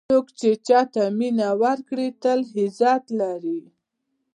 څوک چې مینه ورکوي، تل عزت لري.